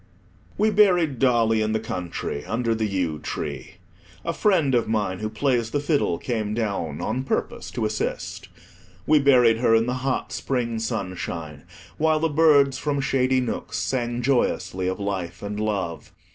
We buried Dolly in the country under the yew tree. A friend of mine who plays the fiddle came down on purpose to assist. We buried her in the hot spring sunshine, while the birds from shady nooks sang joyously of life and love.